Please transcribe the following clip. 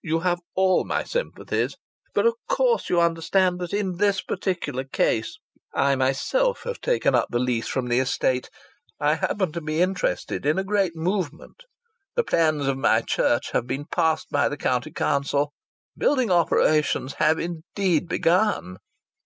You have all my sympathies. But of course you understand that in this particular case ... I myself have taken up the lease from the estate. I happen to be interested in a great movement. The plans of my church have been passed by the County Council. Building operations have indeed begun."